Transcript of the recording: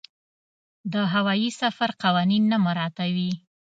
د هوايي سفر قوانین نه مراعاتوي.